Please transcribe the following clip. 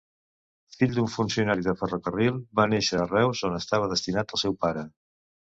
Fill d'un funcionari de ferrocarril, va néixer a Reus on estava destinat el seu pare.